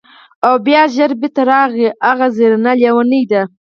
او بیا ژر بیرته راغی: هغه زرینه لیونۍ ده!